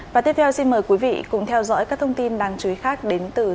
và tiếp theo xin mời quý vị cùng theo dõi các thông tin đáng chú ý khác đến từ sáng phương nam